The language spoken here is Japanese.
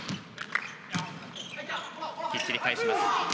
きっちり返します。